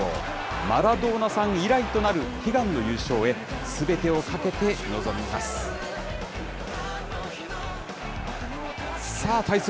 マラドーナさん以来となる悲願の優勝へ、すべてをかけて臨みます。